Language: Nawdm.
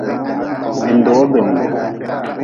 Bindi wo binde.